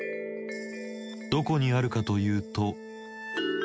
どこにあるかというと。